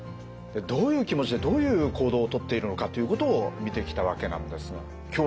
どういう気持ちでどういう行動を取っているのかということを見てきたわけなんですが今日は？